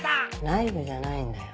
ナイフじゃないんだよ